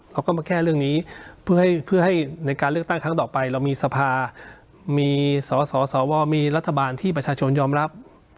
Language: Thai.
เขาก็มาแก้เรื่องนี้เพื่อให้ในการเลือกตั้งครั้งต่อไปเรามีสภามีสสวมีรัฐบาลที่ประชาชนยอมรับ